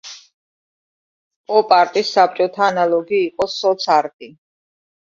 პოპ-არტის საბჭოთა ანალოგი იყო სოც-არტი.